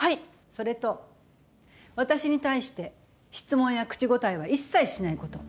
それと私に対して質問や口答えは一切しないこと。